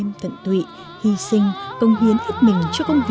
như người mẹ hiền dàng dị yêu thương